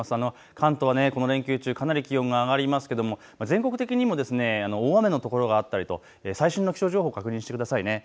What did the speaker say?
関東、この連休中かなり気温が上がりますけれど全国的にも大雨の所があったりと最新の気象情報を確認してくださいね。